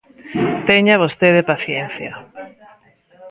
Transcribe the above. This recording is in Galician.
Teña vostede paciencia.